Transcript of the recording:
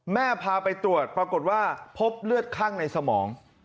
พาไปตรวจปรากฏว่าพบเลือดข้างในสมอง